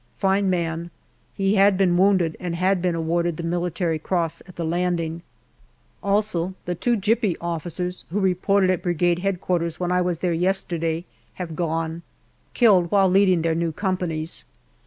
Fine man ; he had been wounded, and had been awarded the Military Cross, at the landing. Also the two Gypy officers, who reported at Brigade H.Q. when I was there yesterday, have gone, killed while leading their new companies.